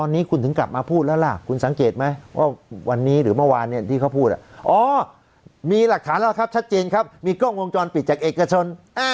ที่พูดอ๋อมีหลักฐานละครับชัดเจนครับมีกล้องวงจรปิดจากเอกชน